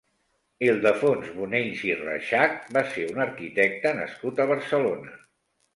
Ildefons Bonells i Reixach va ser un arquitecte nascut a Barcelona.